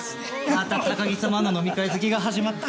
また高木様の飲み会好きが始まった。